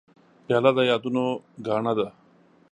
پیاله د یادونو ګاڼه ده.